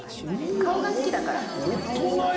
顔が好きだから。